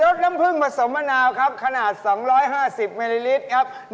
สน้ำผึ้งผสมมะนาวครับขนาด๒๕๐มิลลิลิตรครับ